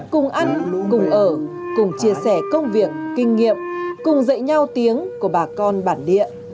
cùng ăn cùng ở cùng chia sẻ công việc kinh nghiệm cùng dạy nhau tiếng của bà con bản địa